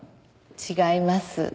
違います。